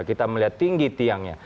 kita melihat tinggi tiangnya